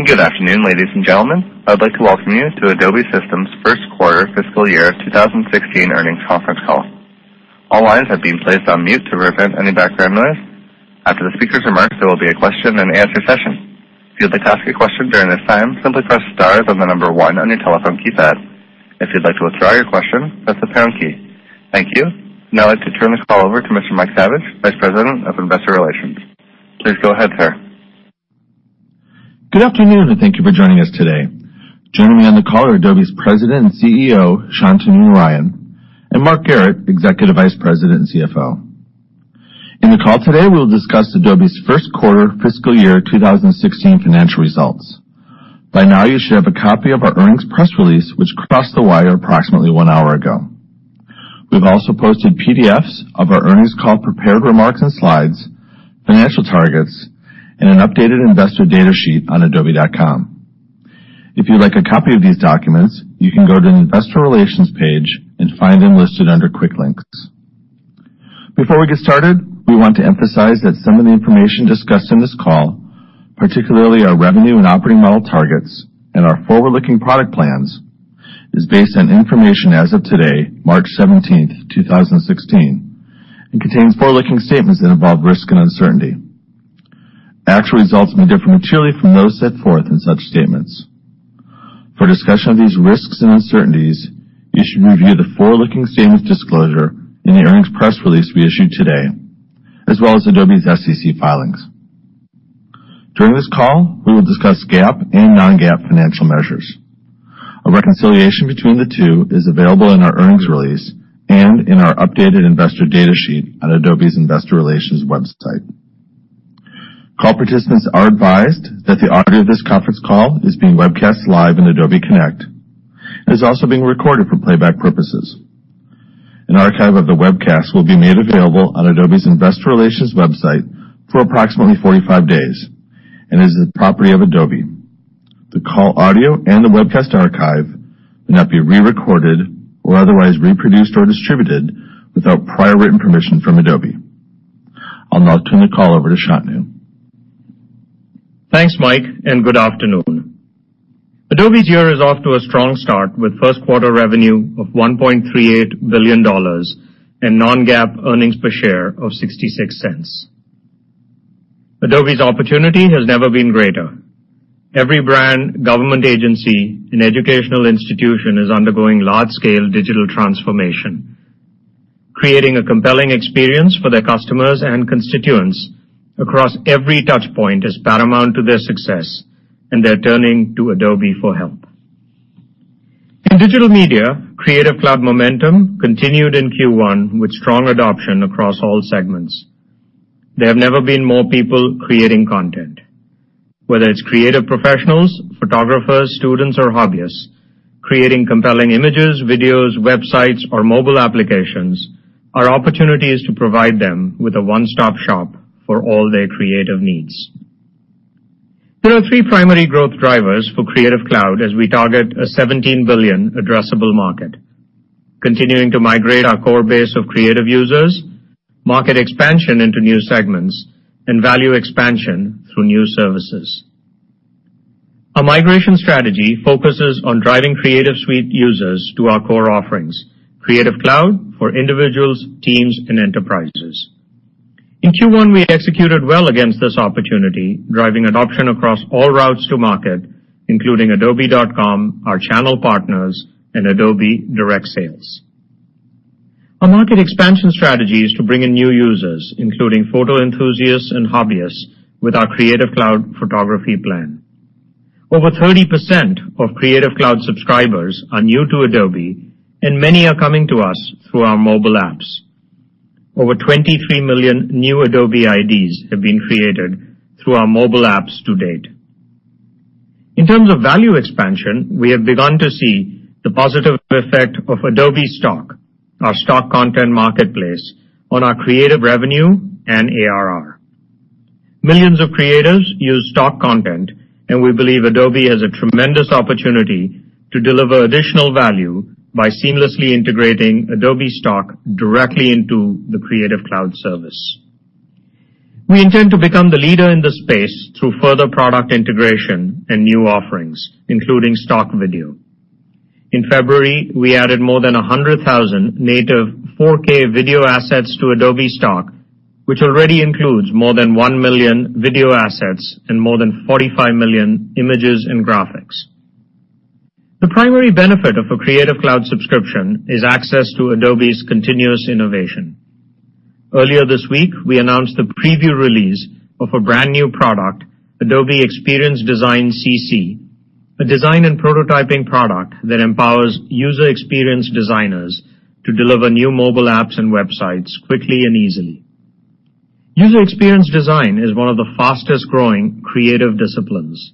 Good afternoon, ladies and gentlemen. I'd like to welcome you to Adobe Systems first quarter fiscal year 2016 earnings conference call. All lines have been placed on mute to prevent any background noise. After the speakers' remarks, there will be a question and answer session. If you'd like to ask a question during this time, simply press star then the number 1 on your telephone keypad. If you'd like to withdraw your question, press the pound key. Thank you. Now I'd like to turn the call over to Mr. Mike Saviage, Vice President of Investor Relations. Please go ahead, sir. Good afternoon, thank you for joining us today. Joining me on the call are Adobe's President and CEO, Shantanu Narayen, and Mark Garrett, Executive Vice President and CFO. In the call today, we'll discuss Adobe's first quarter fiscal year 2016 financial results. By now, you should have a copy of our earnings press release, which crossed the wire approximately one hour ago. We've also posted PDFs of our earnings call prepared remarks and slides, financial targets, and an updated investor data sheet on adobe.com. If you'd like a copy of these documents, you can go to the investor relations page and find them listed under quick links. Before we get started, we want to emphasize that some of the information discussed on this call, particularly our revenue and operating model targets and our forward-looking product plans, is based on information as of today, March 17, 2016, and contains forward-looking statements that involve risk and uncertainty. Actual results may differ materially from those set forth in such statements. For a discussion of these risks and uncertainties, you should review the forward-looking statements disclosure in the earnings press release we issued today, as well as Adobe's SEC filings. During this call, we will discuss GAAP and non-GAAP financial measures. A reconciliation between the two is available in our earnings release and in our updated investor data sheet on Adobe's investor relations website. Call participants are advised that the audio of this conference call is being webcast live on Adobe Connect and is also being recorded for playback purposes. An archive of the webcast will be made available on Adobe's investor relations website for approximately 45 days and is the property of Adobe. The call audio and the webcast archive may not be re-recorded or otherwise reproduced or distributed without prior written permission from Adobe. I'll now turn the call over to Shantanu. Thanks, Mike, and good afternoon. Adobe's year is off to a strong start, with first quarter revenue of $1.38 billion and non-GAAP earnings per share of $0.66. Adobe's opportunity has never been greater. Every brand, government agency, and educational institution is undergoing large-scale digital transformation. Creating a compelling experience for their customers and constituents across every touch point is paramount to their success, and they're turning to Adobe for help. In digital media, Creative Cloud momentum continued in Q1 with strong adoption across all segments. There have never been more people creating content. Whether it's creative professionals, photographers, students, or hobbyists creating compelling images, videos, websites, or mobile applications, our opportunity is to provide them with a one-stop shop for all their creative needs. There are three primary growth drivers for Creative Cloud as we target a $17 billion addressable market: continuing to migrate our core base of creative users, market expansion into new segments, and value expansion through new services. Our migration strategy focuses on driving Creative Suite users to our core offerings, Creative Cloud, for individuals, teams, and enterprises. In Q1, we executed well against this opportunity, driving adoption across all routes to market, including adobe.com, our channel partners, and Adobe direct sales. Our market expansion strategy is to bring in new users, including photo enthusiasts and hobbyists, with our Creative Cloud Photography plan. Over 30% of Creative Cloud subscribers are new to Adobe, and many are coming to us through our mobile apps. Over 23 million new Adobe IDs have been created through our mobile apps to date. In terms of value expansion, we have begun to see the positive effect of Adobe Stock, our stock content marketplace, on our creative revenue and ARR. Millions of creatives use stock content, and we believe Adobe has a tremendous opportunity to deliver additional value by seamlessly integrating Adobe Stock directly into the Creative Cloud service. We intend to become the leader in this space through further product integration and new offerings, including stock video. In February, we added more than 100,000 native 4K video assets to Adobe Stock, which already includes more than 1 million video assets and more than 45 million images and graphics. The primary benefit of a Creative Cloud subscription is access to Adobe's continuous innovation. Earlier this week, we announced the preview release of a brand-new product, Adobe Experience Design CC, a design and prototyping product that empowers user experience designers to deliver new mobile apps and websites quickly and easily. User experience design is one of the fastest-growing creative disciplines.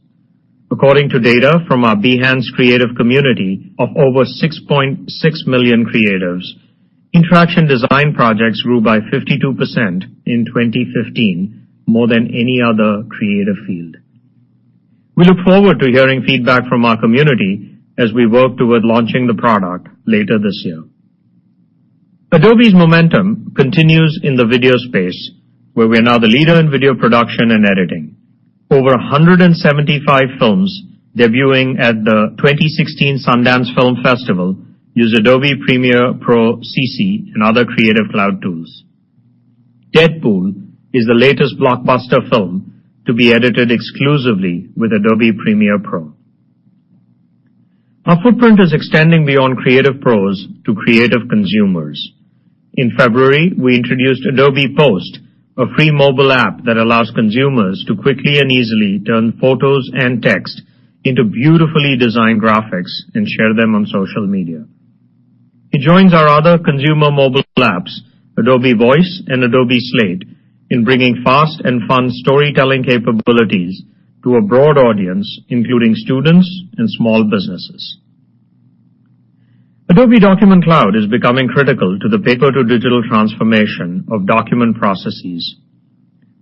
According to data from our Behance creative community of over 6.6 million creatives, interaction design projects grew by 52% in 2015, more than any other creative field. We look forward to hearing feedback from our community as we work toward launching the product later this year. Adobe's momentum continues in the video space, where we are now the leader in video production and editing. Over 175 films debuting at the 2016 Sundance Film Festival use Adobe Premiere Pro CC and other Creative Cloud tools. "Deadpool" is the latest blockbuster film to be edited exclusively with Adobe Premiere Pro. Our footprint is extending beyond creative pros to creative consumers. In February, we introduced Adobe Post, a free mobile app that allows consumers to quickly and easily turn photos and text into beautifully designed graphics and share them on social media. It joins our other consumer mobile apps, Adobe Voice and Adobe Slate, in bringing fast and fun storytelling capabilities to a broad audience, including students and small businesses. Adobe Document Cloud is becoming critical to the paper-to-digital transformation of document processes.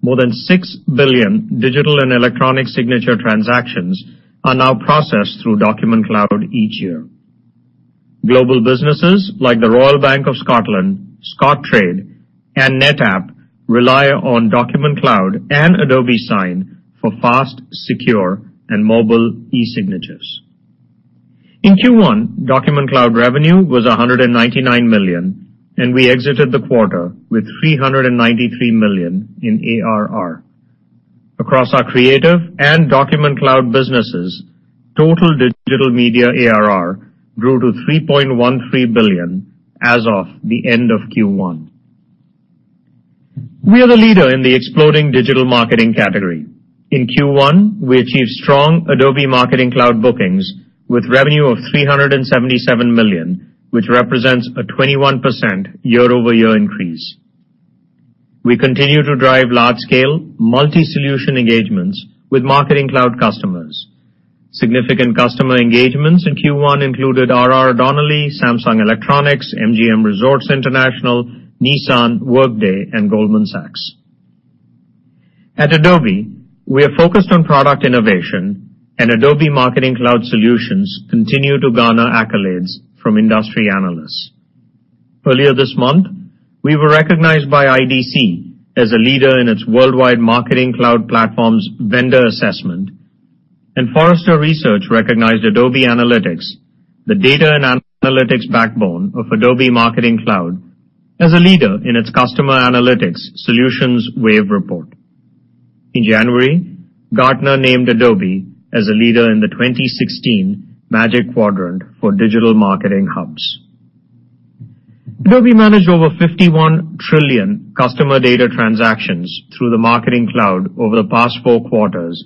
More than 6 billion digital and electronic signature transactions are now processed through Document Cloud each year. Global businesses like the Royal Bank of Scotland, Scottrade, and NetApp rely on Document Cloud and Adobe Sign for fast, secure, and mobile e-signatures. In Q1, Document Cloud revenue was $199 million, and we exited the quarter with $393 million in ARR. Across our Creative and Document Cloud businesses, total digital media ARR grew to $3.13 billion as of the end of Q1. We are the leader in the exploding digital marketing category. In Q1, we achieved strong Adobe Marketing Cloud bookings with revenue of $377 million, which represents a 21% year-over-year increase. We continue to drive large-scale multi-solution engagements with Marketing Cloud customers. Significant customer engagements in Q1 included RR Donnelley, Samsung Electronics, MGM Resorts International, Nissan, Workday, and Goldman Sachs. At Adobe, we are focused on product innovation. Adobe Marketing Cloud solutions continue to garner accolades from industry analysts. Earlier this month, we were recognized by IDC as a leader in its worldwide Marketing Cloud platforms vendor assessment. Forrester Research recognized Adobe Analytics, the data and analytics backbone of Adobe Marketing Cloud, as a leader in its customer analytics solutions wave report. In January, Gartner named Adobe as a leader in the 2016 Magic Quadrant for Digital Marketing Hubs. Adobe managed over 51 trillion customer data transactions through the Marketing Cloud over the past four quarters.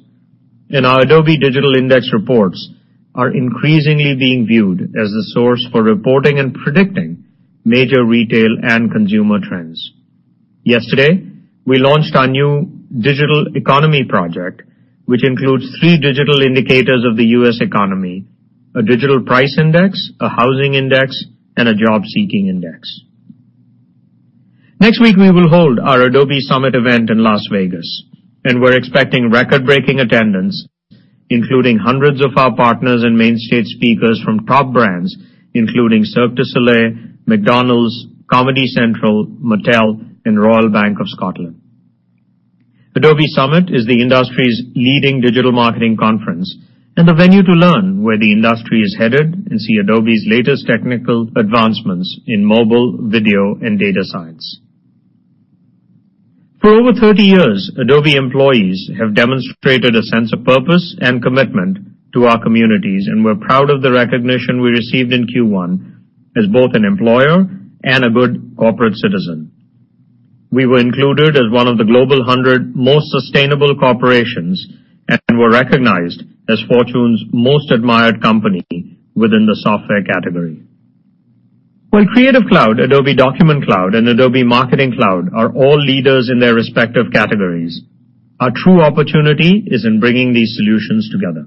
Our Adobe Digital Index reports are increasingly being viewed as a source for reporting and predicting major retail and consumer trends. Yesterday, we launched our new Adobe Digital Economy Project, which includes 3 digital indicators of the U.S. economy, a digital price index, a housing index, and a job-seeking index. Next week, we will hold our Adobe Summit event in Las Vegas. We're expecting record-breaking attendance, including hundreds of our partners and main stage speakers from top brands, including Cirque du Soleil, McDonald's, Comedy Central, Mattel, and Royal Bank of Scotland. Adobe Summit is the industry's leading digital marketing conference and the venue to learn where the industry is headed and see Adobe's latest technical advancements in mobile, video, and data science. For over 30 years, Adobe employees have demonstrated a sense of purpose and commitment to our communities. We're proud of the recognition we received in Q1 as both an employer and a good corporate citizen. We were included as one of the Global 100 Most Sustainable Corporations and were recognized as Fortune's Most Admired Company within the software category. While Creative Cloud, Adobe Document Cloud, and Adobe Marketing Cloud are all leaders in their respective categories, our true opportunity is in bringing these solutions together.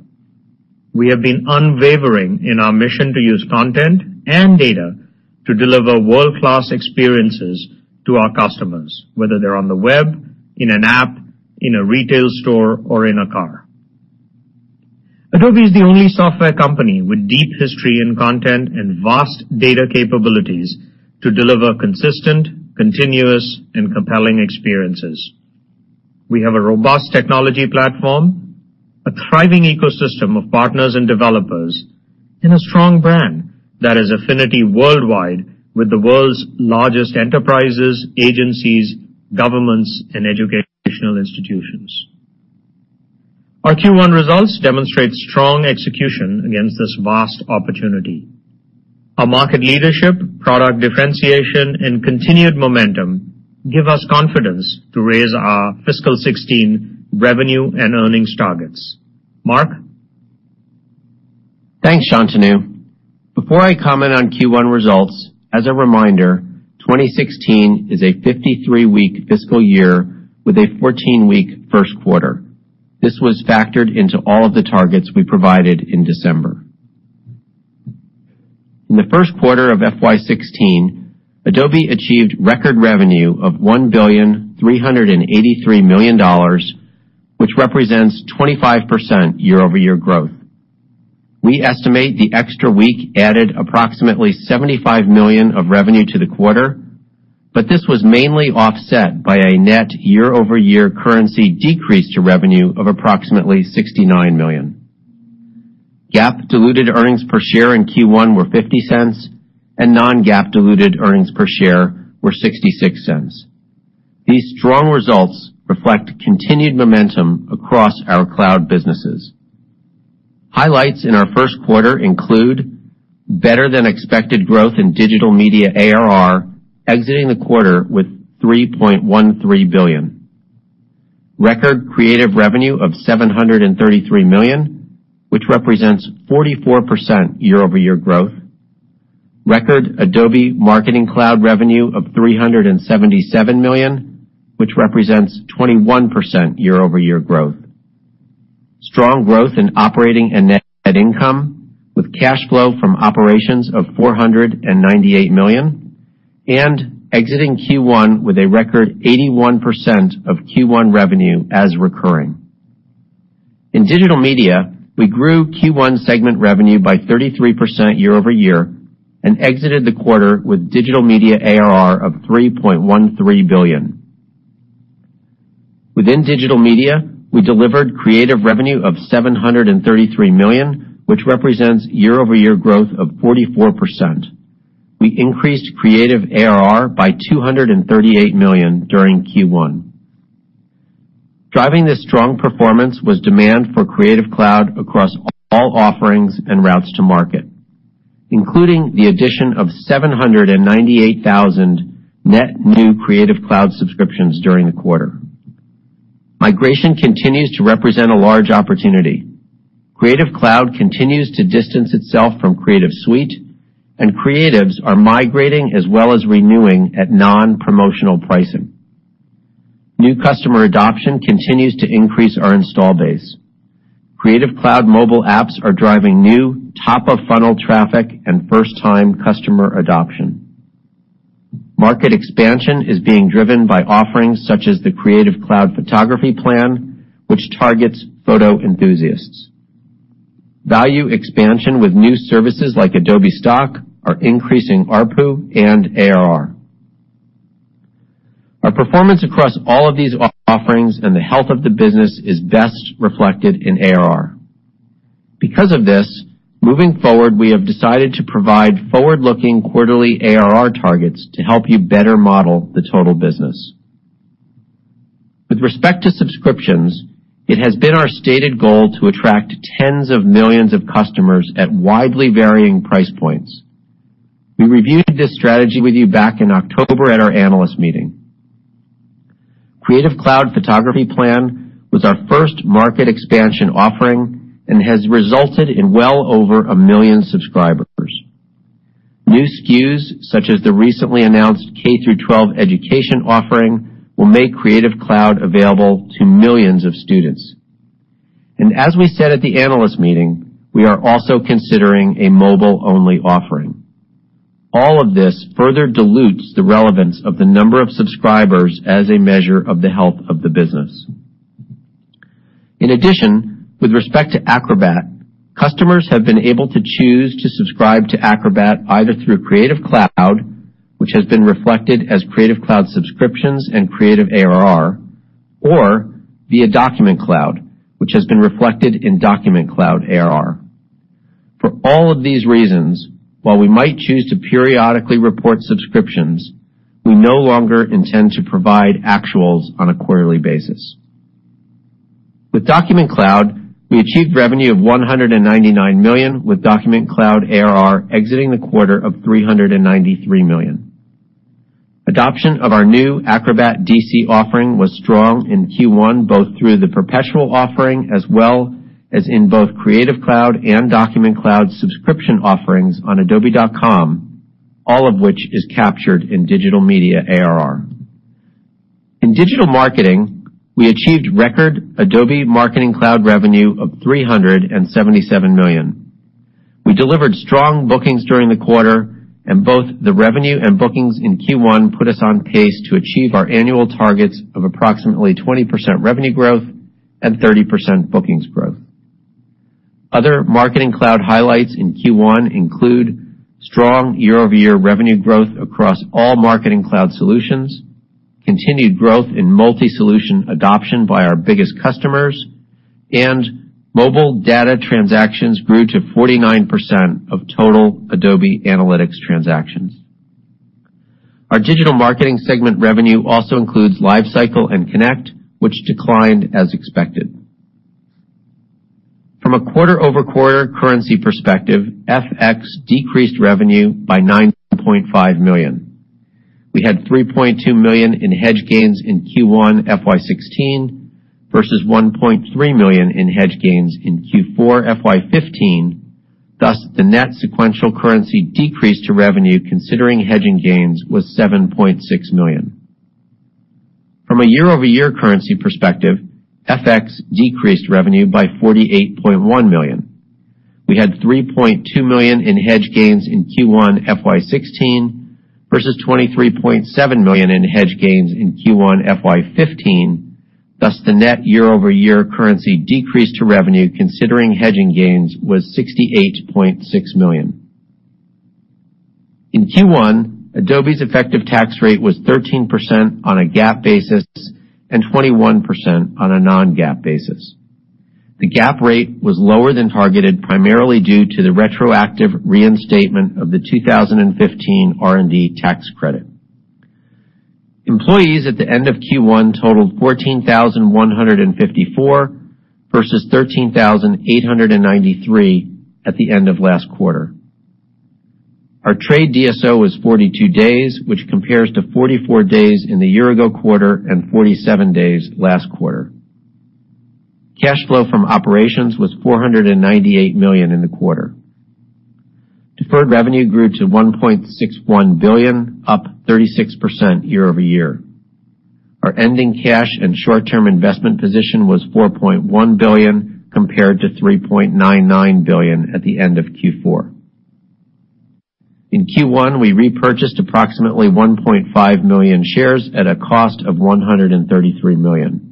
We have been unwavering in our mission to use content and data to deliver world-class experiences to our customers, whether they're on the web, in an app, in a retail store, or in a car. Adobe is the only software company with deep history in content and vast data capabilities to deliver consistent, continuous, and compelling experiences. We have a robust technology platform, a thriving ecosystem of partners and developers, and a strong brand that has affinity worldwide with the world's largest enterprises, agencies, governments, and educational institutions. Our Q1 results demonstrate strong execution against this vast opportunity. Our market leadership, product differentiation, and continued momentum give us confidence to raise our fiscal 2016 revenue and earnings targets. Mark? Thanks, Shantanu. Before I comment on Q1 results, as a reminder, 2016 is a 53-week fiscal year with a 14-week first quarter. This was factored into all of the targets we provided in December. In the first quarter of FY 2016, Adobe achieved record revenue of $1,383,000,000, which represents 25% year-over-year growth. We estimate the extra week added approximately $75 million of revenue to the quarter. This was mainly offset by a net year-over-year currency decrease to revenue of approximately $69 million. GAAP diluted earnings per share in Q1 were $0.50 and non-GAAP diluted earnings per share were $0.66. These strong results reflect continued momentum across our cloud businesses. Highlights in our first quarter include better than expected growth in Digital Media ARR exiting the quarter with $3.13 billion. Record Creative revenue of $733 million, which represents 44% year-over-year growth. Record Adobe Marketing Cloud revenue of $377 million, which represents 21% year-over-year growth. Strong growth in operating and net income with cash flow from operations of $498 million. Exiting Q1 with a record 81% of Q1 revenue as recurring. In Digital Media, we grew Q1 segment revenue by 33% year-over-year and exited the quarter with Digital Media ARR of $3.13 billion. Within Digital Media, we delivered Creative revenue of $733 million, which represents year-over-year growth of 44%. We increased Creative ARR by $238 million during Q1. Driving this strong performance was demand for Creative Cloud across all offerings and routes to market, including the addition of 798,000 net new Creative Cloud subscriptions during the quarter. Migration continues to represent a large opportunity. Creative Cloud continues to distance itself from Creative Suite, and creatives are migrating as well as renewing at non-promotional pricing. New customer adoption continues to increase our install base. Creative Cloud mobile apps are driving new top-of-funnel traffic and first-time customer adoption. Market expansion is being driven by offerings such as the Creative Cloud Photography plan, which targets photo enthusiasts. Value expansion with new services like Adobe Stock are increasing ARPU and ARR. Our performance across all of these offerings and the health of the business is best reflected in ARR. Because of this, moving forward, we have decided to provide forward-looking quarterly ARR targets to help you better model the total business. With respect to subscriptions, it has been our stated goal to attract tens of millions of customers at widely varying price points. We reviewed this strategy with you back in October at our analyst meeting. Creative Cloud Photography plan was our first market expansion offering and has resulted in well over a million subscribers. New SKUs, such as the recently announced K-12 education offering, will make Creative Cloud available to millions of students. As we said at the analyst meeting, we are also considering a mobile-only offering. All of this further dilutes the relevance of the number of subscribers as a measure of the health of the business. In addition, with respect to Acrobat, customers have been able to choose to subscribe to Acrobat either through Creative Cloud, which has been reflected as Creative Cloud subscriptions and Creative ARR, or via Document Cloud, which has been reflected in Document Cloud ARR. For all of these reasons, while we might choose to periodically report subscriptions, we no longer intend to provide actuals on a quarterly basis. With Document Cloud, we achieved revenue of $199 million, with Document Cloud ARR exiting the quarter of $393 million. Adoption of our new Acrobat DC offering was strong in Q1, both through the perpetual offering as well as in both Creative Cloud and Document Cloud subscription offerings on adobe.com, all of which is captured in Digital Media ARR. In digital marketing, we achieved record Adobe Marketing Cloud revenue of $377 million. We delivered strong bookings during the quarter. Both the revenue and bookings in Q1 put us on pace to achieve our annual targets of approximately 20% revenue growth and 30% bookings growth. Other Marketing Cloud highlights in Q1 include strong year-over-year revenue growth across all Marketing Cloud solutions, continued growth in multi-solution adoption by our biggest customers. Mobile data transactions grew to 49% of total Adobe Analytics transactions. Our digital marketing segment revenue also includes LiveCycle and Connect, which declined as expected. From a quarter-over-quarter currency perspective, FX decreased revenue by $9.5 million. We had $3.2 million in hedge gains in Q1 FY 2016 versus $1.3 million in hedge gains in Q4 FY 2015. Thus, the net sequential currency decrease to revenue considering hedging gains was $7.6 million. From a year-over-year currency perspective, FX decreased revenue by $48.1 million. We had $3.2 million in hedge gains in Q1 FY 2016 versus $23.7 million in hedge gains in Q1 FY 2015. Thus, the net year-over-year currency decrease to revenue considering hedging gains was $68.6 million. In Q1, Adobe's effective tax rate was 13% on a GAAP basis and 21% on a non-GAAP basis. The GAAP rate was lower than targeted primarily due to the retroactive reinstatement of the 2015 R&D tax credit. Employees at the end of Q1 totaled 14,154 versus 13,893 at the end of last quarter. Our trade DSO was 42 days, which compares to 44 days in the year-ago quarter and 47 days last quarter. Cash flow from operations was $498 million in the quarter. Deferred revenue grew to $1.61 billion, up 36% year-over-year. Our ending cash and short-term investment position was $4.1 billion, compared to $3.99 billion at the end of Q4. In Q1, we repurchased approximately 1.5 million shares at a cost of $133 million.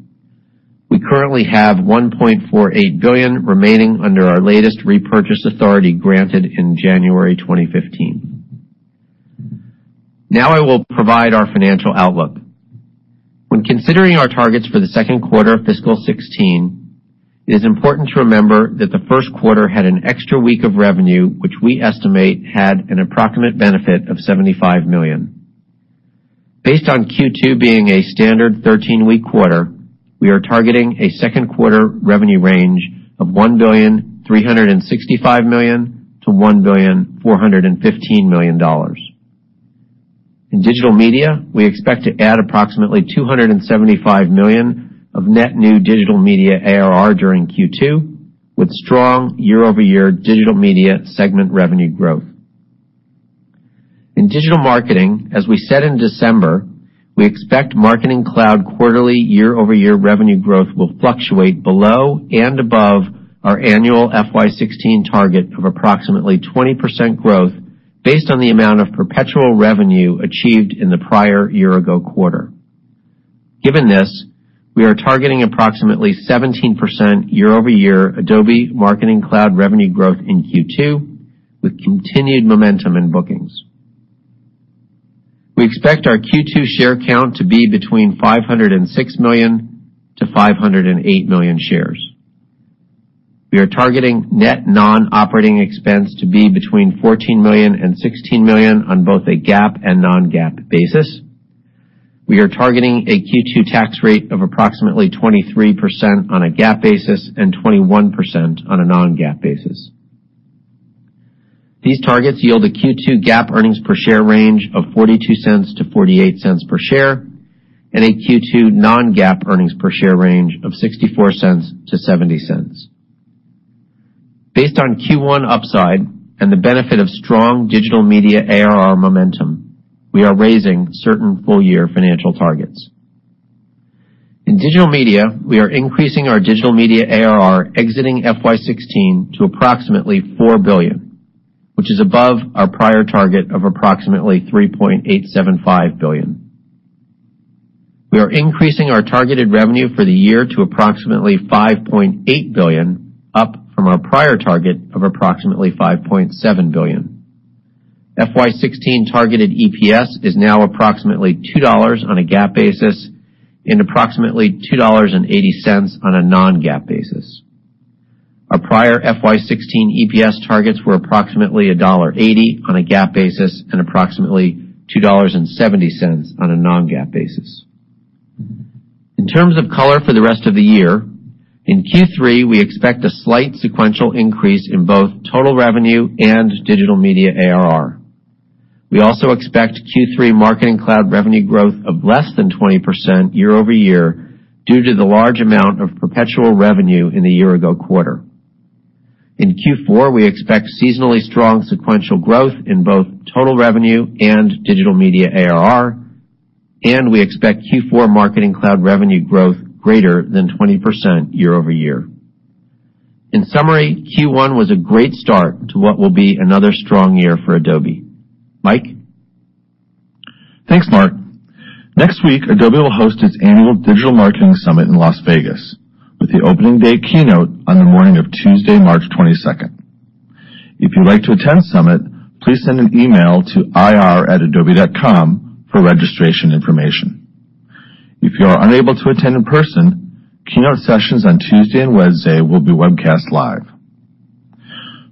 We currently have $1.48 billion remaining under our latest repurchase authority granted in January 2015. Now I will provide our financial outlook. When considering our targets for the second quarter of fiscal 2016, it is important to remember that the first quarter had an extra week of revenue, which we estimate had an approximate benefit of $75 million. Based on Q2 being a standard 13-week quarter, we are targeting a second quarter revenue range of $1,365 million-$1,415 million. In digital media, we expect to add approximately $275 million of net new digital media ARR during Q2, with strong year-over-year digital media segment revenue growth. In digital marketing, as we said in December, we expect Marketing Cloud quarterly year-over-year revenue growth will fluctuate below and above our annual FY 2016 target of approximately 20% growth based on the amount of perpetual revenue achieved in the prior year-ago quarter. Given this, we are targeting approximately 17% year-over-year Adobe Marketing Cloud revenue growth in Q2, with continued momentum in bookings. We expect our Q2 share count to be between 506 million-508 million shares. We are targeting net non-operating expense to be between $14 million-$16 million on both a GAAP and non-GAAP basis. We are targeting a Q2 tax rate of approximately 23% on a GAAP basis and 21% on a non-GAAP basis. These targets yield a Q2 GAAP earnings per share range of $0.42-$0.48 per share and a Q2 non-GAAP earnings per share range of $0.64-$0.70. Based on Q1 upside and the benefit of strong digital media ARR momentum, we are raising certain full-year financial targets. In digital media, we are increasing our digital media ARR exiting FY 2016 to approximately $4 billion, which is above our prior target of approximately $3.875 billion. We are increasing our targeted revenue for the year to approximately $5.8 billion, up from our prior target of approximately $5.7 billion. FY 2016 targeted EPS is now approximately $2 on a GAAP basis and approximately $2.80 on a non-GAAP basis. Our prior FY 2016 EPS targets were approximately $1.80 on a GAAP basis and approximately $2.70 on a non-GAAP basis. In terms of color for the rest of the year, in Q3, we expect a slight sequential increase in both total revenue and digital media ARR. We also expect Q3 Marketing Cloud revenue growth of less than 20% year-over-year due to the large amount of perpetual revenue in the year-ago quarter. In Q4, we expect seasonally strong sequential growth in both total revenue and digital media ARR, and we expect Q4 Marketing Cloud revenue growth greater than 20% year-over-year. In summary, Q1 was a great start to what will be another strong year for Adobe. Mike? Thanks, Mark. Next week, Adobe will host its annual Digital Marketing Summit in Las Vegas, with the opening day keynote on the morning of Tuesday, March 22nd. If you'd like to attend Summit, please send an email to ir@adobe.com for registration information. If you are unable to attend in person, keynote sessions on Tuesday and Wednesday will be webcast live.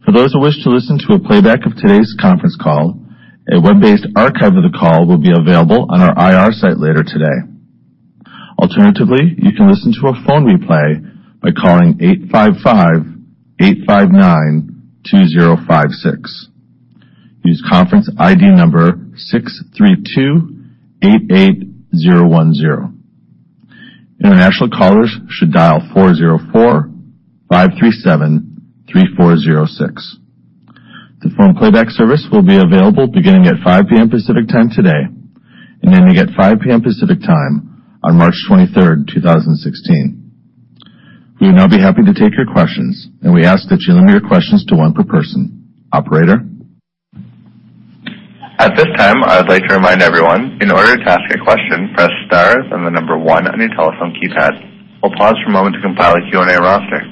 For those who wish to listen to a playback of today's conference call, a web-based archive of the call will be available on our IR site later today. Alternatively, you can listen to a phone replay by calling 855-859-2056. Use conference ID number 63288010. International callers should dial 404-537-3406. The phone playback service will be available beginning at 5:00 P.M. Pacific Time today and ending at 5:00 P.M. Pacific Time on March 23rd, 2016. We will now be happy to take your questions. We ask that you limit your questions to one per person. Operator? At this time, I would like to remind everyone, in order to ask a question, press star and the number one on your telephone keypad. We'll pause for a moment to compile a Q&A roster.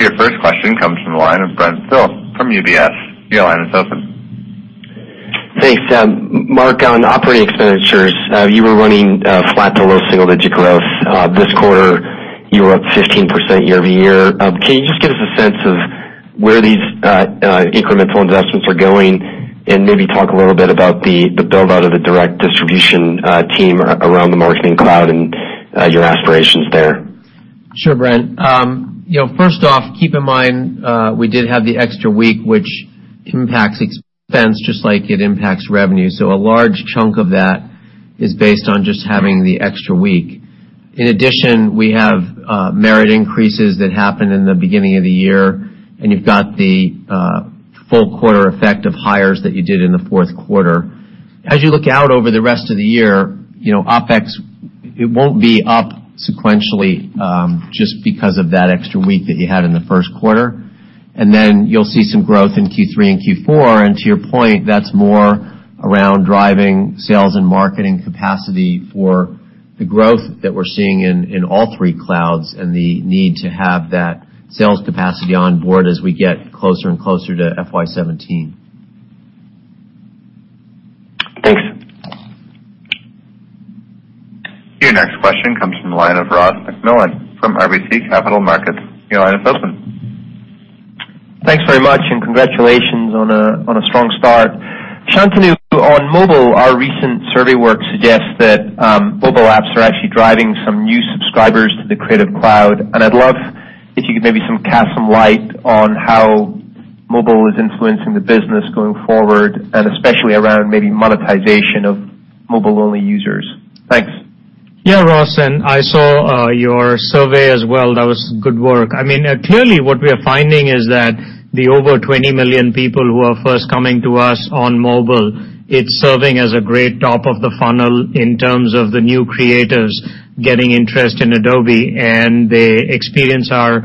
Your first question comes from the line of Brent Thill from UBS. Your line is open. Thanks. Mark, on operating expenditures, you were running flat to low single-digit growth. This quarter, you were up 15% year-over-year. Can you just give us a sense of where these incremental investments are going, and maybe talk a little bit about the build-out of the direct distribution team around the Marketing Cloud and your aspirations there? Sure, Brent. First off, keep in mind, we did have the extra week, which impacts expense just like it impacts revenue. A large chunk of that is based on just having the extra week. In addition, we have merit increases that happened in the beginning of the year, and you've got the full quarter effect of hires that you did in the fourth quarter. As you look out over the rest of the year, OpEx, it won't be up sequentially, just because of that extra week that you had in the first quarter. Then you'll see some growth in Q3 and Q4, and to your point, that's more around driving sales and marketing capacity for the growth that we're seeing in all three clouds and the need to have that sales capacity on board as we get closer and closer to FY 2017. Thanks. Your next question comes from the line of Ross MacMillan from RBC Capital Markets. Your line is open. Thanks very much. Congratulations on a strong start. Shantanu, on mobile, our recent survey work suggests that mobile apps are actually driving some new subscribers to the Creative Cloud. I'd love if you could maybe cast some light on how mobile is influencing the business going forward, especially around maybe monetization of mobile-only users. Thanks. Yeah, Ross, I saw your survey as well. That was good work. Clearly, what we are finding is that the over 20 million people who are first coming to us on mobile, it's serving as a great top of the funnel in terms of the new creatives getting interest in Adobe, They experience our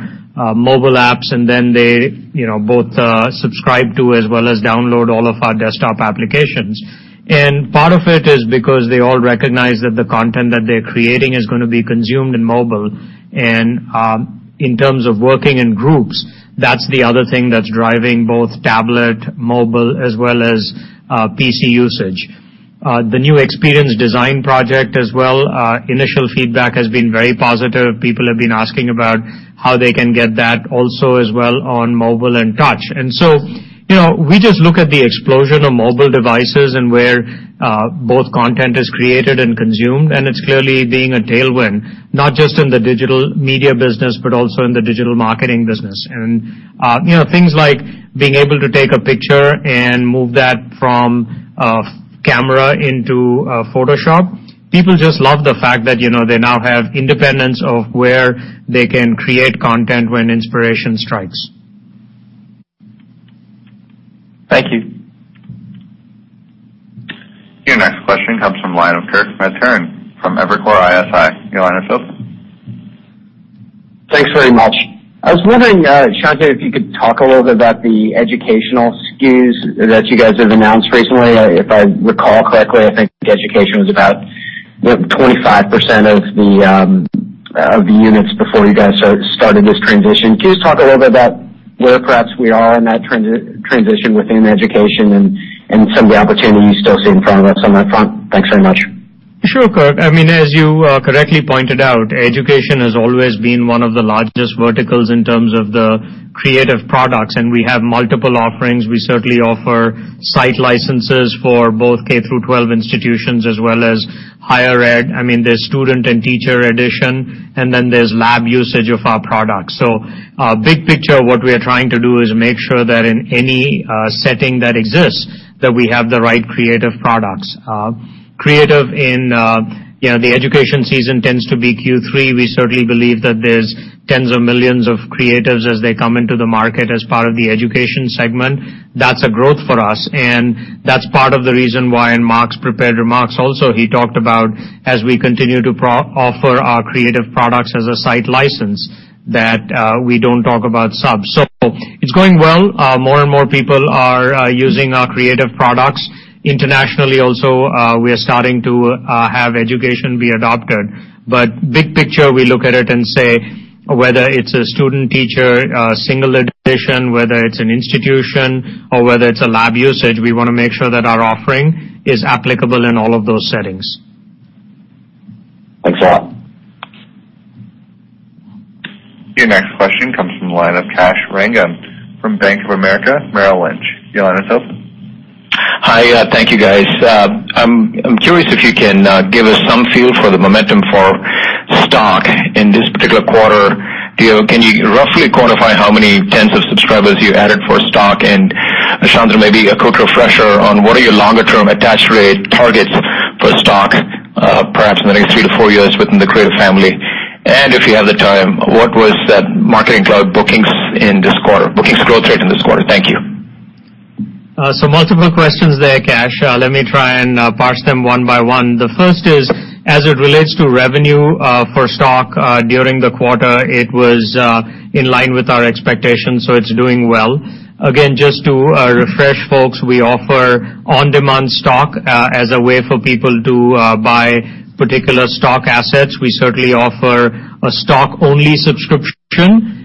mobile apps, then they both subscribe to as well as download all of our desktop applications. Part of it is because they all recognize that the content that they're creating is going to be consumed in mobile. In terms of working in groups, that's the other thing that's driving both tablet, mobile, as well as PC usage. The new Experience Design project as well, initial feedback has been very positive. People have been asking about how they can get that also as well on mobile and touch. We just look at the explosion of mobile devices and where both content is created and consumed, it's clearly being a tailwind, not just in the digital media business, but also in the digital marketing business. Things like being able to take a picture and move that from a camera into Photoshop. People just love the fact that they now have independence of where they can create content when inspiration strikes. Thank you. Your next question comes from the line of Kirk Materne from Evercore ISI. Your line is open. Thanks very much. I was wondering, Shantanu, if you could talk a little bit about the educational SKUs that you guys have announced recently. If I recall correctly, I think education was about 25% of the units before you guys started this transition. Can you just talk a little bit about where perhaps we are in that transition within education and some of the opportunities you still see in front of us on that front? Thanks very much. Sure, Kirk. As you correctly pointed out, education has always been one of the largest verticals in terms of the creative products, and we have multiple offerings. We certainly offer site licenses for both K-12 institutions as well as higher ed. There's student and teacher edition, and then there's lab usage of our products. Big picture, what we are trying to do is make sure that in any setting that exists, that we have the right creative products. Creative in the education season tends to be Q3. We certainly believe that there's tens of millions of creatives as they come into the market as part of the education segment. That's a growth for us, and that's part of the reason why in Mark's prepared remarks also, he talked about as we continue to offer our creative products as a site license, that we don't talk about subs. It's going well. More and more people are using our Creative products. Internationally also, we are starting to have education be adopted. Big picture, we look at it and say, whether it's a student, teacher, a single edition, whether it's an institution or whether it's a lab usage, we want to make sure that our offering is applicable in all of those settings. Thanks a lot. Your next question comes from the line of Kash Rangan from Bank of America Merrill Lynch. Your line is open. Hi. Thank you, guys. I'm curious if you can give us some feel for the momentum for Stock in this particular quarter. Can you roughly quantify how many tens of subscribers you added for Stock? Shantanu, maybe a quick refresher on what are your longer-term attach rate targets for Stock, perhaps in the next three to four years within the Creative family. If you have the time, what was that Marketing Cloud bookings growth rate in this quarter? Thank you. Multiple questions there, Kash. Let me try and parse them one by one. The first is, as it relates to revenue for Stock during the quarter, it was in line with our expectations. It's doing well. Again, just to refresh folks, we offer on-demand Stock as a way for people to buy particular Stock assets. We certainly offer a Stock-only subscription.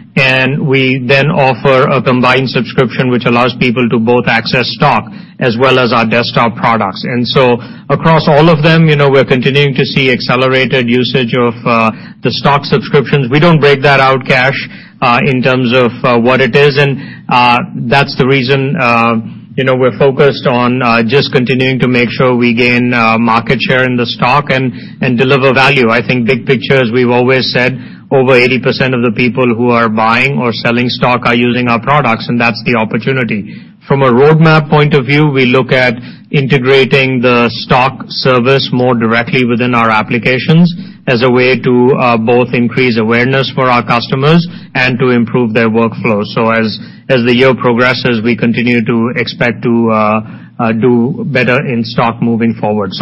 We offer a combined subscription which allows people to both access Stock as well as our desktop products. Across all of them, we're continuing to see accelerated usage of the Stock subscriptions. We don't break that out, Kash, in terms of what it is. That's the reason we're focused on just continuing to make sure we gain market share in the Stock and deliver value. I think big picture, as we've always said, over 80% of the people who are buying or selling Stock are using our products. That's the opportunity. From a roadmap point of view, we look at integrating the Stock service more directly within our applications as a way to both increase awareness for our customers and to improve their workflow. As the year progresses, we continue to expect to do better in Stock moving forward.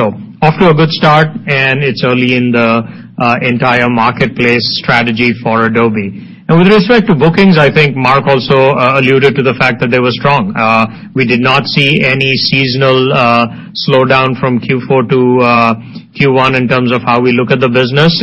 Off to a good start. It's early in the entire marketplace strategy for Adobe. With respect to bookings, I think Mark also alluded to the fact that they were strong. We did not see any seasonal slowdown from Q4 to Q1 in terms of how we look at the business.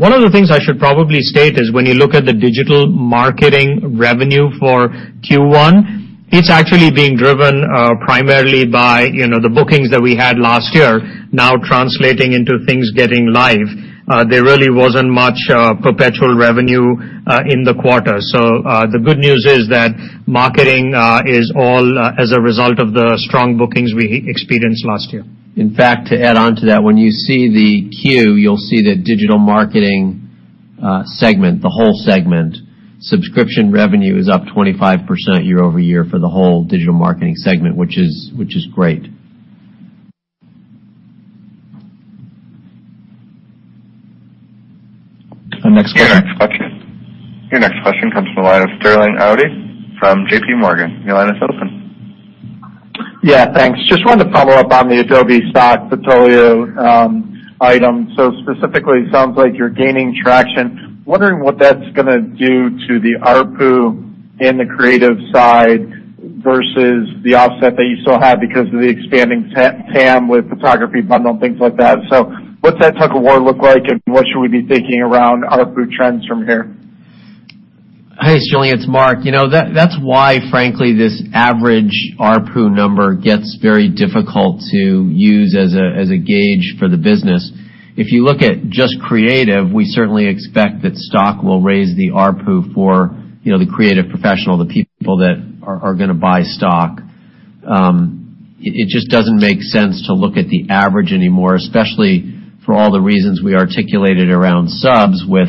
One of the things I should probably state is when you look at the Digital Marketing revenue for Q1, it's actually being driven primarily by the bookings that we had last year now translating into things getting live. There really wasn't much perpetual revenue in the quarter. The good news is that Marketing is all as a result of the strong bookings we experienced last year. In fact, to add onto that, when you see the Q, you'll see that Digital Marketing segment, the whole segment, subscription revenue is up 25% year-over-year for the whole Digital Marketing segment, which is great. The next question. Your next question comes from the line of Sterling Auty from JP Morgan. Your line is open. Yeah, thanks. Just wanted to follow up on the Adobe Stock portfolio item. Specifically, it sounds like you're gaining traction. Wondering what that's going to do to the ARPU in the creative side versus the offset that you still have because of the expanding TAM with photography bundle and things like that. What's that tug of war look like, and what should we be thinking around ARPU trends from here? Hey, Sterling, it's Mark. That's why, frankly, this average ARPU number gets very difficult to use as a gauge for the business. If you look at just creative, we certainly expect that Stock will raise the ARPU for the creative professional, the people that are going to buy Stock. It just doesn't make sense to look at the average anymore, especially for all the reasons we articulated around subs with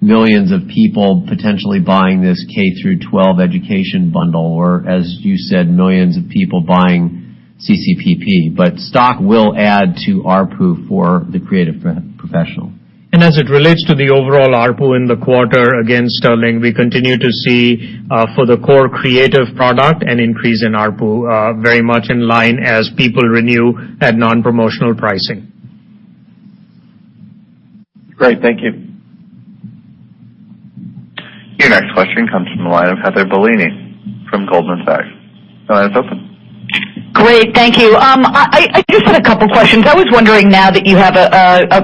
millions of people potentially buying this K-12 education bundle, or, as you said, millions of people buying CCPP. Stock will add to ARPU for the creative professional. As it relates to the overall ARPU in the quarter, again, Sterling, we continue to see for the core Creative product an increase in ARPU very much in line as people renew at non-promotional pricing. Great. Thank you. Your next question comes from the line of Heather Bellini from Goldman Sachs. Your line is open. Great. Thank you. I just had a couple of questions. I was wondering now that you have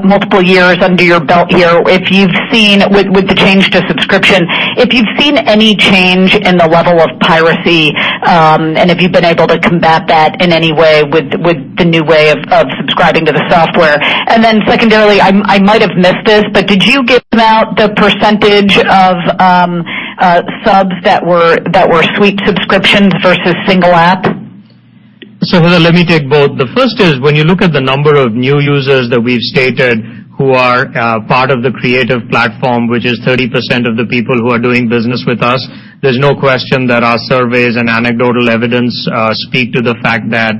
multiple years under your belt here, with the change to subscription, if you've seen any change in the level of piracy, and if you've been able to combat that in any way with the new way of subscribing to the software. Then secondarily, I might have missed this, but did you give out the % of subs that were Creative Suite subscriptions versus single app? Heather, let me take both. The first is when you look at the number of new users that we've stated who are part of the creative platform, which is 30% of the people who are doing business with us, there's no question that our surveys and anecdotal evidence speak to the fact that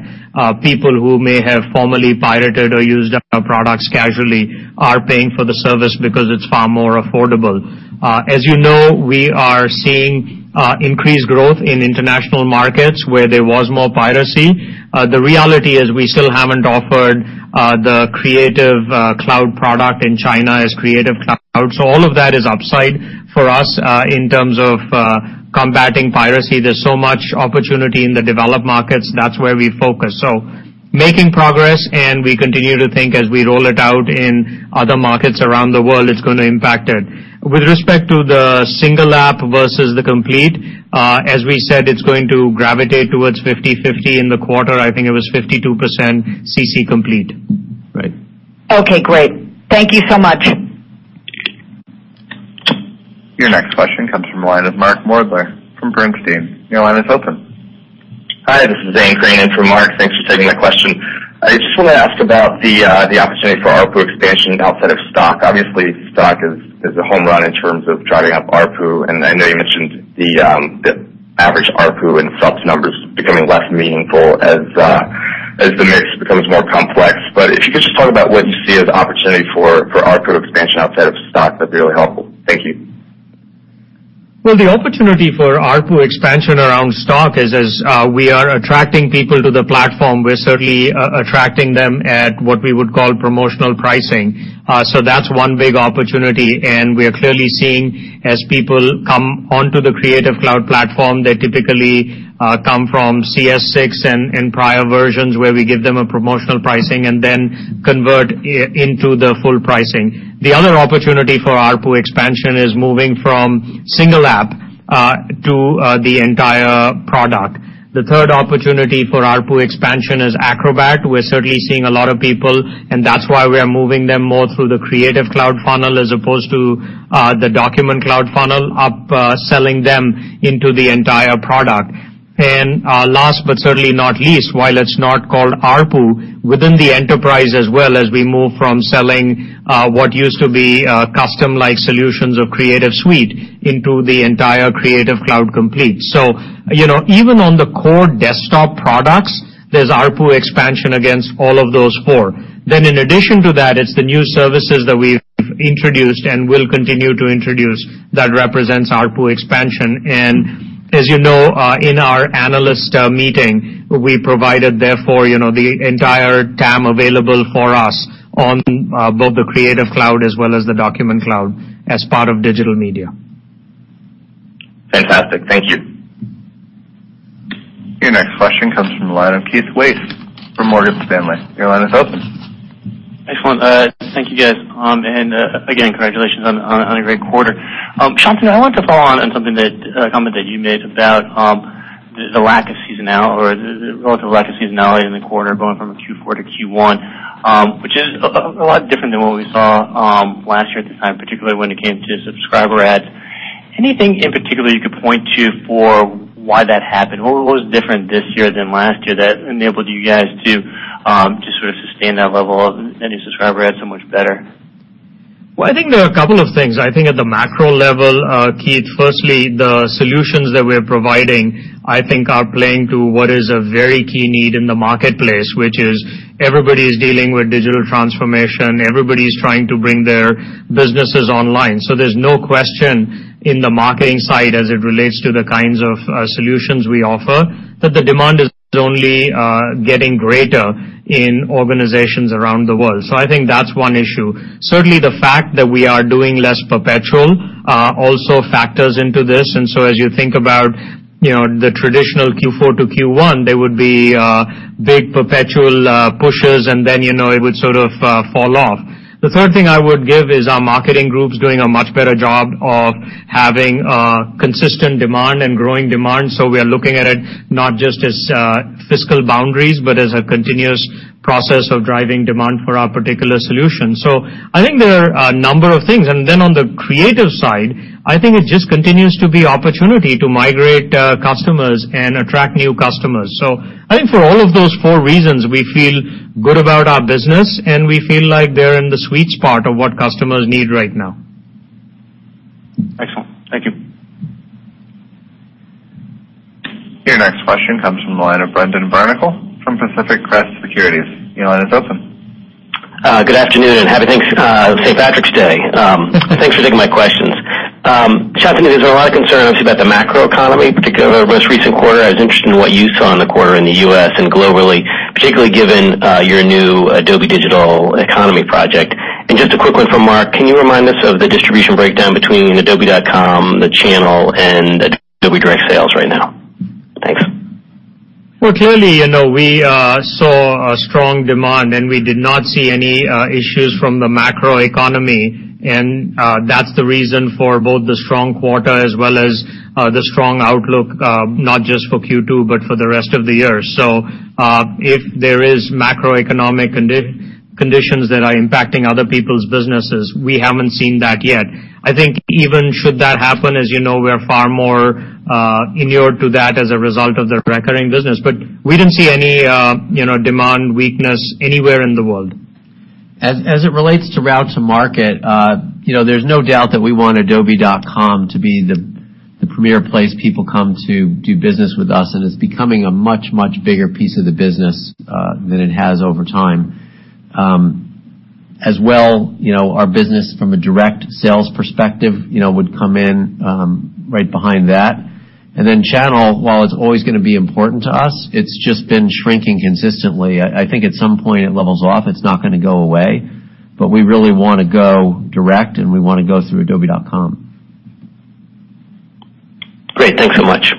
people who may have formerly pirated or used our products casually are paying for the service because it's far more affordable. As you know, we are seeing increased growth in international markets where there was more piracy. The reality is we still haven't offered the Creative Cloud product in China as Creative Cloud. All of that is upside for us in terms of combating piracy. There's so much opportunity in the developed markets. That's where we focus. Making progress, and we continue to think as we roll it out in other markets around the world, it's going to impact it. With respect to the single app versus the complete, as we said, it's going to gravitate towards 50/50. In the quarter, I think it was 52% CC complete. Right. Okay, great. Thank you so much. Your next question comes from the line of Mark Moerdler from Bernstein. Your line is open. Hi, this is Zane The opportunity for ARPU expansion around Adobe Stock is as we are attracting people to the platform, we're certainly attracting them at what we would call promotional pricing. That's one big opportunity, we are clearly seeing as people come onto the Creative Cloud platform, they typically come from CS6 and prior versions where we give them a promotional pricing and then convert into the full pricing. The other opportunity for ARPU expansion is moving from single app to the entire product. The third opportunity for ARPU expansion is Acrobat. We're certainly seeing a lot of people, that's why we are moving them more through the Creative Cloud funnel as opposed to the Document Cloud funnel, upselling them into the entire product. Last but certainly not least, while it's not called ARPU, within the enterprise as well as we move from selling what used to be custom-like solutions of Creative Suite into the entire Creative Cloud complete. Even on the core desktop products, there's ARPU expansion against all of those four. In addition to that, it's the new services that we've introduced and will continue to introduce that represents ARPU expansion. As you know, in our analyst meeting, we provided, therefore, the entire TAM available for us on both the Creative Cloud as well as the Document Cloud as part of digital media. Fantastic. Thank you. Your next question comes from the line of Keith Weiss from Morgan Stanley. Your line is open. Excellent. Thank you, guys. Again, congratulations on a great quarter. Shantanu, I wanted to follow on a comment that you made about the lack of seasonality or the relative lack of seasonality in the quarter going from Q4 to Q1, which is a lot different than what we saw last year at this time, particularly when it came to subscriber adds. Anything in particular you could point to for why that happened? What was different this year than last year that enabled you guys to sort of sustain that level of any subscriber adds so much better? Well, I think there are a couple of things. I think at the macro level, Keith, firstly, the solutions that we're providing, I think are playing to what is a very key need in the marketplace, which is everybody's dealing with digital transformation. Everybody's trying to bring their businesses online. There's no question in the marketing side as it relates to the kinds of solutions we offer, that the demand is only getting greater in organizations around the world. I think that's one issue. Certainly, the fact that we are doing less perpetual also factors into this, as you think about the traditional Q4 to Q1, there would be big perpetual pushes then it would sort of fall off. The third thing I would give is our marketing group's doing a much better job of having consistent demand and growing demand. We are looking at it not just as fiscal boundaries, but as a continuous process of driving demand for our particular solution. I think there are a number of things, on the creative side, I think it just continues to be opportunity to migrate customers and attract new customers. I think for all of those four reasons, we feel good about our business, and we feel like they're in the sweet spot of what customers need right now. Excellent. Thank you. Your next question comes from the line of Brendan Barnicle from Pacific Crest Securities. Your line is open. Good afternoon, and happy St. Patrick's Day. Thanks for taking my questions. Shantanu, there's a lot of concern obviously about the macroeconomy, particularly over this recent quarter. I was interested in what you saw in the quarter in the U.S. and globally, particularly given your new Adobe Digital Economy Project. Just a quick one for Mark, can you remind us of the distribution breakdown between adobe.com, the channel, and Adobe direct sales right now? Thanks. Well, clearly, we saw a strong demand, and we did not see any issues from the macroeconomy, and that's the reason for both the strong quarter as well as the strong outlook, not just for Q2, but for the rest of the year. If there is macroeconomic conditions that are impacting other people's businesses, we haven't seen that yet. I think even should that happen, as you know, we're far more inured to that as a result of the recurring business, we didn't see any demand weakness anywhere in the world. As it relates to route to market, there's no doubt that we want adobe.com to be the premier place people come to do business with us, it's becoming a much, much bigger piece of the business than it has over time. Our business from a direct sales perspective would come in right behind that. Then channel, while it's always gonna be important to us, it's just been shrinking consistently. I think at some point it levels off. It's not gonna go away, we really want to go direct, we want to go through adobe.com. Great. Thanks so much.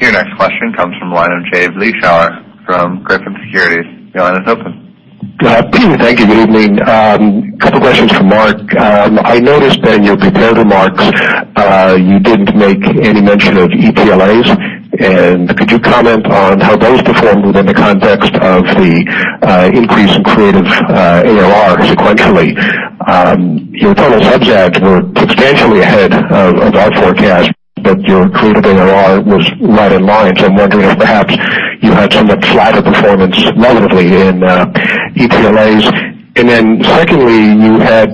Your next question comes from the line of Jay Vleeschhouwer from Griffin Securities. Your line is open. Good afternoon. Thank you. Good evening. Couple questions for Mark. I noticed that in your prepared remarks, you didn't make any mention of ETLA. Could you comment on how those performed within the context of the increase in Creative ARR sequentially? Your total subs adds were substantially ahead of our forecast, your Creative ARR was right in line, so I'm wondering if perhaps you had somewhat flatter performance relatively in ETLA. Secondly, you had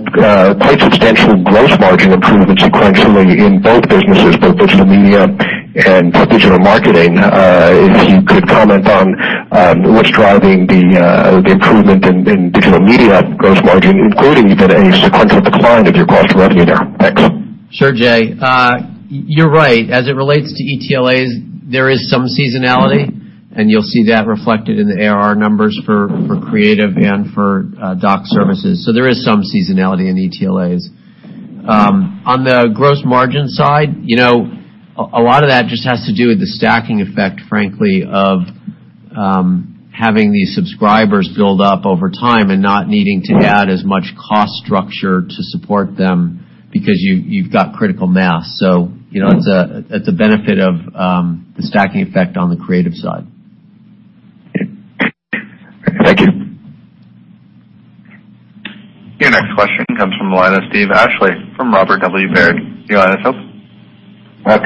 quite substantial gross margin improvement sequentially in both businesses, both Digital Media and Digital Marketing. If you could comment on what's driving the improvement in Digital Media gross margin, including even a sequential decline of your cost of revenue there. Thanks. Sure, Jay. You're right. As it relates to ETLA, there is some seasonality, and you'll see that reflected in the ARR numbers for Creative and for Doc Services. There is some seasonality in ETLA. On the gross margin side, a lot of that just has to do with the stacking effect, frankly, of having these subscribers build up over time and not needing to add as much cost structure to support them because you've got critical mass. It's a benefit of the stacking effect on the Creative side. Thank you. Your next question comes from the line of Steve Ashley from Robert W. Baird. Your line is open.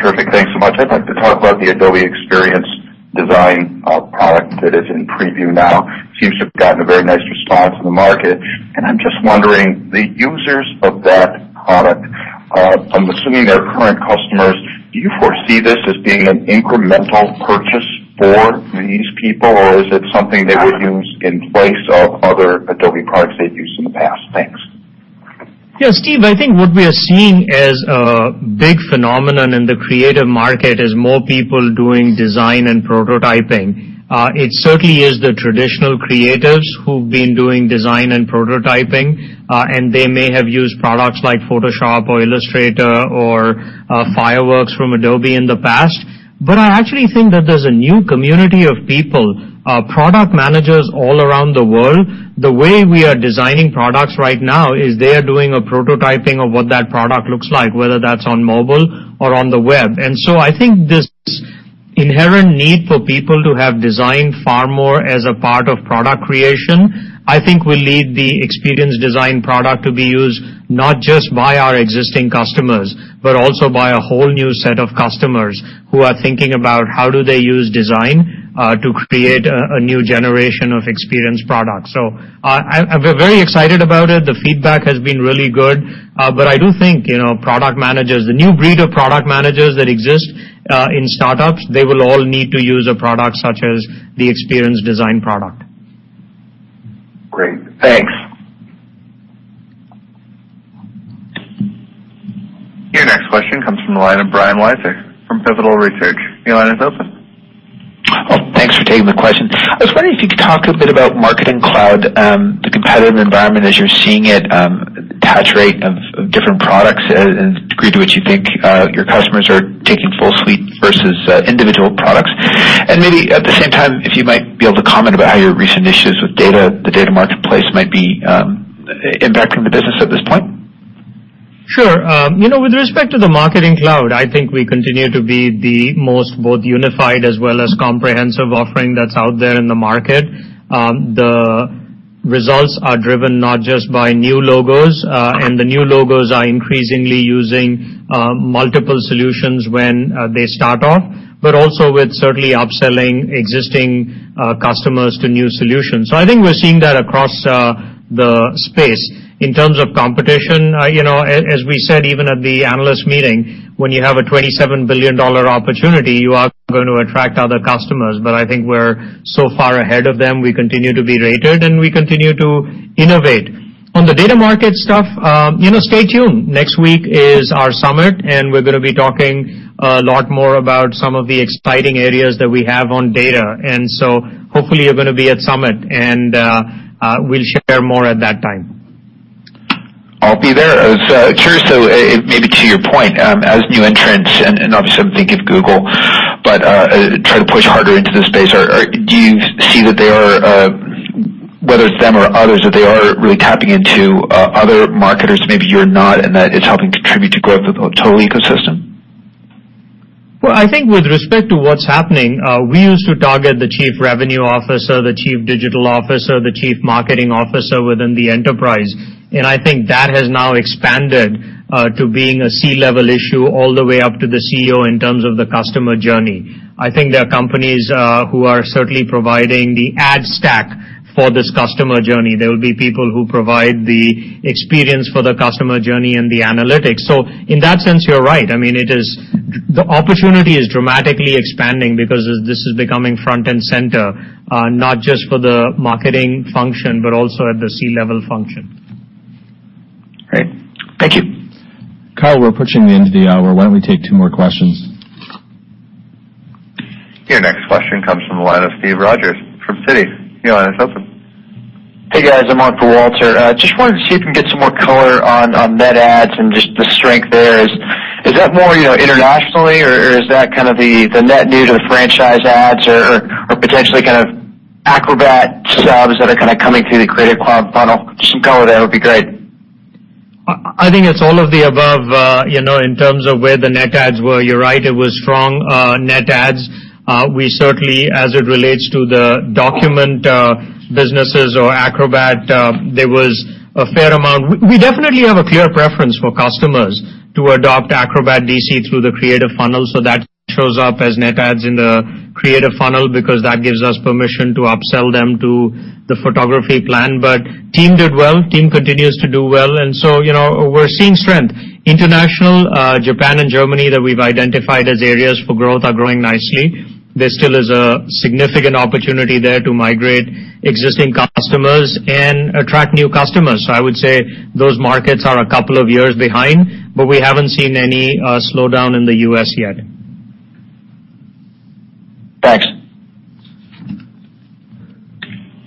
Terrific. Thanks so much. I'd like to talk about the Adobe Experience Design product that is in preview now. Seems to have gotten a very nice response in the market. I'm just wondering, the users of that product, I'm assuming they're current customers. Do you foresee this as being an incremental purchase for these people, or is it something they would use in place of other Adobe products they've used in the past? Thanks. Yeah, Steve, I think what we are seeing as a big phenomenon in the Creative market is more people doing design and prototyping. It certainly is the traditional creatives who've been doing design and prototyping, and they may have used products like Photoshop or Illustrator or Fireworks from Adobe in the past. I actually think that there's a new community of people, product managers all around the world. The way we are designing products right now is they are doing a prototyping of what that product looks like, whether that's on mobile or on the web. I think this inherent need for people to have design far more as a part of product creation, I think will lead the Experience Design product to be used not just by our existing customers, but also by a whole new set of customers who are thinking about how do they use design to create a new generation of experience products. I'm very excited about it. The feedback has been really good. I do think the new breed of product managers that exist in startups, they will all need to use a product such as the Experience Design product. Great. Thanks. Your next question comes from the line of Brian Wieser from Pivotal Research. Your line is open. Well, thanks for taking the question. I was wondering if you could talk a bit about Marketing Cloud, the competitive environment as you're seeing it, attach rate of different products, and the degree to which you think your customers are taking full suite versus individual products. Maybe at the same time, if you might be able to comment about how your recent issues with the data marketplace might be impacting the business at this point? Sure. With respect to the Adobe Marketing Cloud, I think we continue to be the most both unified as well as comprehensive offering that's out there in the market. The results are driven not just by new logos, and the new logos are increasingly using multiple solutions when they start off, but also with certainly upselling existing customers to new solutions. I think we're seeing that across the space. In terms of competition, as we said even at the analyst meeting, when you have a $27 billion opportunity, you are going to attract other customers. I think we're so far ahead of them. We continue to be rated, and we continue to innovate. On the data market stuff, stay tuned. Next week is our Adobe Summit, and we're going to be talking a lot more about some of the exciting areas that we have on data. Hopefully you're going to be at Adobe Summit, and we'll share more at that time. I'll be there. I was curious, though, maybe to your point, as new entrants, and obviously I'm thinking of Google, try to push harder into the space. Do you see that they are, whether it's them or others, that they are really tapping into other marketers that maybe you're not, and that it's helping contribute to growth of the total ecosystem? Well, I think with respect to what's happening, we used to target the chief revenue officer, the chief digital officer, the chief marketing officer within the enterprise. I think that has now expanded to being a C-level issue all the way up to the CEO in terms of the customer journey. I think there are companies who are certainly providing the ad stack for this customer journey. There will be people who provide the experience for the customer journey and the analytics. In that sense, you're right. The opportunity is dramatically expanding because this is becoming front and center, not just for the marketing function, but also at the C-level function. Great. Thank you. Kyle, we're approaching the end of the hour. Why don't we take two more questions? Your next question comes from the line of Steve Rogers from Citi. Your line is open. Hey, guys. I'm on for Walter. Wanted to see if we can get some more color on net adds and the strength there. Is that more internationally, or is that kind of the net new to the franchise adds or potentially kind of Acrobat subs that are kind of coming through the Creative Cloud funnel? Some color there would be great. I think it's all of the above in terms of where the net adds were. You're right, it was strong net adds. We certainly, as it relates to the document businesses or Acrobat, there was a fair amount. We definitely have a clear preference for customers to adopt Acrobat DC through the Creative funnel, so that shows up as net adds in the Creative funnel because that gives us permission to upsell them to the photography plan. Team did well. Team continues to do well, and we're seeing strength. International, Japan and Germany that we've identified as areas for growth are growing nicely. There still is a significant opportunity there to migrate existing customers and attract new customers. I would say those markets are a couple of years behind, but we haven't seen any slowdown in the U.S. yet.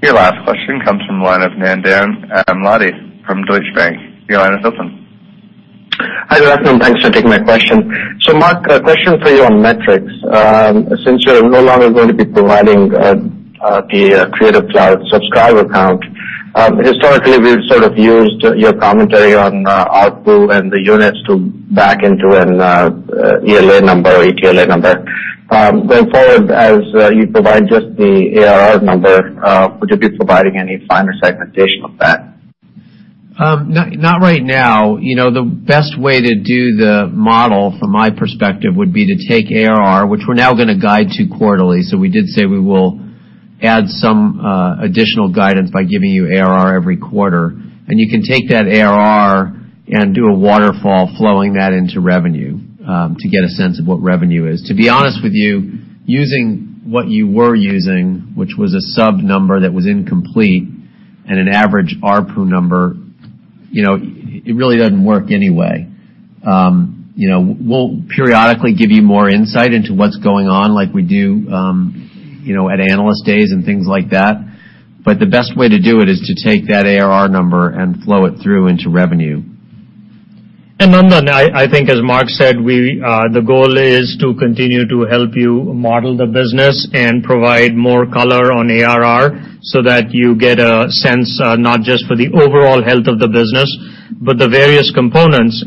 Your last question comes from the line of Nandan Amladi from Deutsche Bank. Your line is open. Hi, good afternoon. Thanks for taking my question. Mark, a question for you on metrics. Since you're no longer going to be providing the Creative Cloud subscriber count, historically, we've sort of used your commentary on ARPU and the units to back into an ELA number or ETLA number. Going forward, as you provide just the ARR number, would you be providing any finer segmentation of that? Not right now. The best way to do the model from my perspective, would be to take ARR, which we're now going to guide to quarterly. We did say we will add some additional guidance by giving you ARR every quarter. You can take that ARR and do a waterfall flowing that into revenue, to get a sense of what revenue is. To be honest with you, using what you were using, which was a sub number that was incomplete, and an average ARPU number, it really doesn't work anyway. We'll periodically give you more insight into what's going on like we do at analyst days and things like that. The best way to do it is to take that ARR number and flow it through into revenue. Nandan, I think as Mark said, the goal is to continue to help you model the business and provide more color on ARR, so that you get a sense not just for the overall health of the business, but the various components.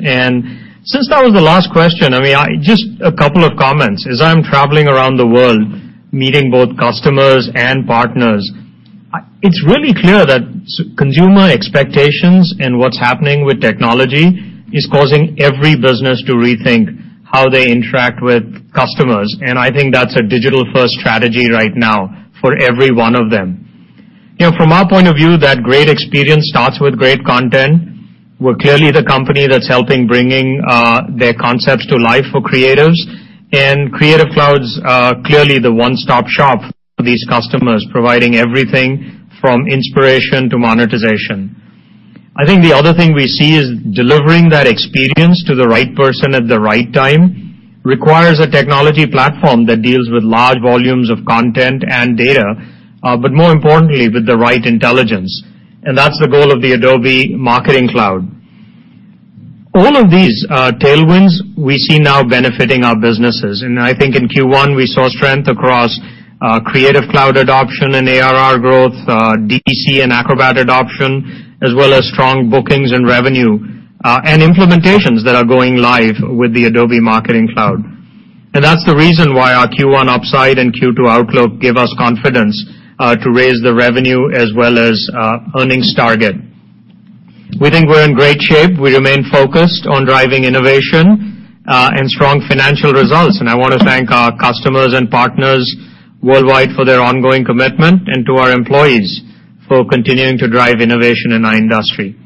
Since that was the last question, just a couple of comments. As I'm traveling around the world meeting both customers and partners, it's really clear that consumer expectations and what's happening with technology is causing every business to rethink how they interact with customers. I think that's a digital first strategy right now for every one of them. From our point of view, that great experience starts with great content. We're clearly the company that's helping bringing their concepts to life for creatives. Creative Cloud's clearly the one-stop-shop for these customers, providing everything from inspiration to monetization. I think the other thing we see is delivering that experience to the right person at the right time requires a technology platform that deals with large volumes of content and data, but more importantly, with the right intelligence. That's the goal of the Adobe Marketing Cloud. All of these are tailwinds we see now benefiting our businesses. I think in Q1, we saw strength across Creative Cloud adoption and ARR growth, DC and Acrobat adoption, as well as strong bookings and revenue, and implementations that are going live with the Adobe Marketing Cloud. That's the reason why our Q1 upside and Q2 outlook give us confidence to raise the revenue as well as earnings target. We think we're in great shape. We remain focused on driving innovation and strong financial results, and I want to thank our customers and partners worldwide for their ongoing commitment, and to our employees for continuing to drive innovation in our industry.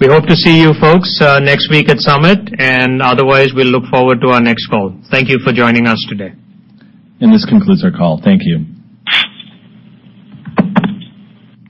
We hope to see you folks next week at Summit, and otherwise, we'll look forward to our next call. Thank you for joining us today. This concludes our call. Thank you.